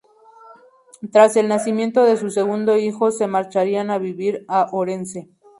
Tras el nacimiento de su segundo hijo se marcharían a vivir a Orense.